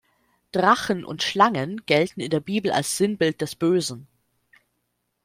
Drachen und Schlangen gelten in der Bibel als Sinnbild des Bösen.